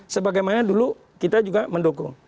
sebagaimana dulu kita juga mendukung